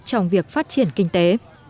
trong việc phát triển kinh tế